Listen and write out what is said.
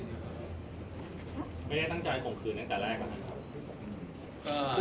ไม่ได้ตั้งใจข่มขืนตั้งแต่แรกนะครับ